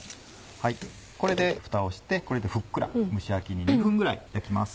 これでフタをしてふっくら蒸し焼きに２分ぐらい焼きます。